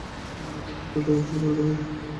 হিন্দুকে শত শত ধর্মানুষ্ঠান করিতে হয়।